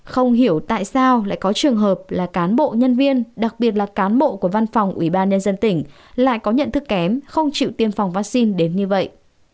không hiểu tại sao lại có trường hợp là cán bộ nhân viên đặc biệt là cán bộ của văn phòng ubnd tỉnh lại có nhận thức kém không chịu tiêm phòng vaccine đến như vậy